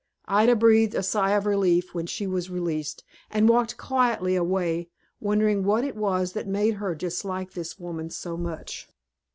Ida breathed a sigh of relief when she was released, and walked quietly away, wondering what it was that made her dislike the woman so much.